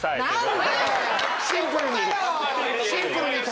シンプルに体形。